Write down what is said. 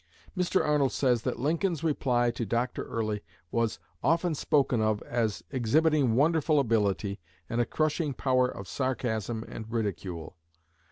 Mr. Arnold says that Lincoln's reply to Dr. Early was "often spoken of as exhibiting wonderful ability, and a crushing power of sarcasm and ridicule.